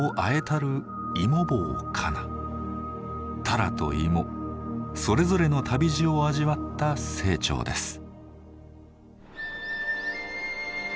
たらと芋それぞれの旅路を味わった清張です。